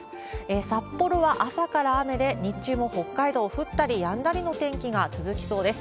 札幌は朝から雨で、日中も北海道、降ったりやんだりの天気が続きそうです。